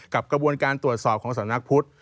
กระบวนการตรวจสอบของสำนักพุทธ